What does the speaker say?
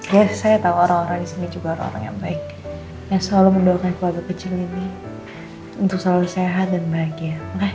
ya saya tau orang orang disini juga orang orang yang baik yang selalu mendorong keluarga kecil ini untuk selalu sehat dan bahagia oke